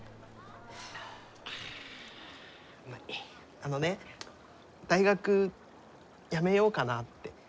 あのね大学やめようかなって。